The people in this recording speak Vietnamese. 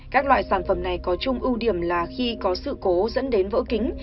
các loại sản phẩm này có chung ưu điểm là khi có sự cố dẫn đến vỡ kính